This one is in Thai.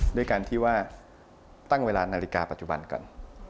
ด้วยการที่ว่าตั้งเวลานาฬิกาปัจจุบันก่อน